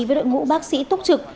với đội ngũ bác sĩ túc trực